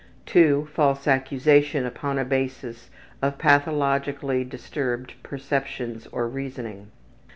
2. False accusation upon a basis of pathologically disturbed perceptions or reasoning.